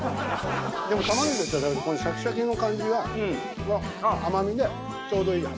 でも玉ねぎと一緒に食べるとこのシャキシャキの感じが甘みでちょうどいい。